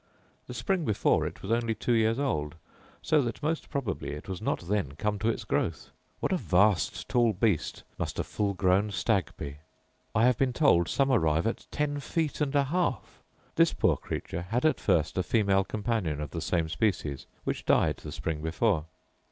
The spring before it was only two years old, so that most probably it was not then come to its growth. What a vast tall beast must a full grown stag be! I have been told some arrive at ten feet and an half! This poor creature had at first a female companion of the same species, which died the spring before.